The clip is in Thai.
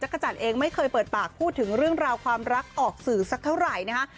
กระจันเองไม่เคยเปิดปากพูดถึงเรื่องราวความรักออกสื่อสักเท่าไหร่นะฮะ